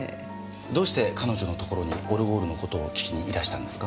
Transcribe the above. どうして彼女のところにオルゴールの事を訊きにいらしたんですか？